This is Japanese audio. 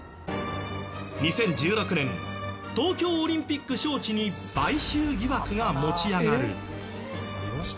２０１６年東京オリンピック招致に買収疑惑が持ち上がる。